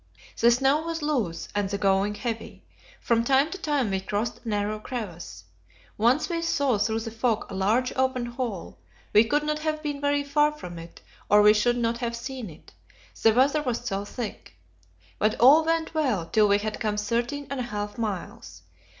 The snow was loose and the going heavy; from time to time we crossed a narrow crevasse. Once we saw through the fog a large open hole; we could not have been very far from it, or we should not have seen it, the weather was so thick. But all went well till we had come thirteen and a half miles.